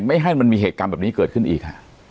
ให้มันมีเหตุการณ์แบบนี้เกิดขึ้นอีก